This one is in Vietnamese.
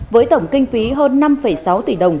với tổng kinh phí hơn năm sáu tỷ đồng